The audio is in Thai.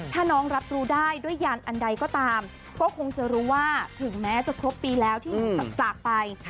ถ้าน้องรับรู้ได้ด้วยยานอันใดก็ตามก็คงจะรู้ว่าถึงแม้จะครบปีแล้วที่จากไป